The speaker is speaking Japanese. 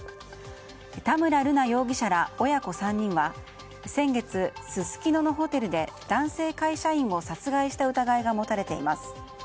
田村瑠奈容疑者ら親子３人は先月、すすきののホテルで男性会社員を殺害した疑いが持たれています。